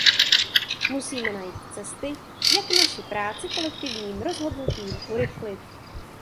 Musíme najít cesty, jak naši práci kolektivním rozhodnutím urychlit.